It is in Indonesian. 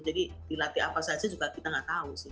jadi dilatih apa saja juga kita nggak tahu sih